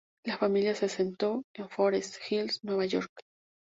La familia se asentó en Forest Hills, Nueva York.